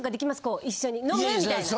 こう一緒に「飲む？」みたいな。